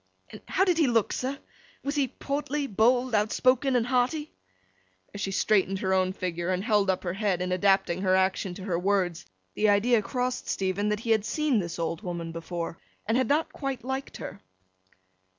'And how did he look, sir? Was he portly, bold, outspoken, and hearty?' As she straightened her own figure, and held up her head in adapting her action to her words, the idea crossed Stephen that he had seen this old woman before, and had not quite liked her.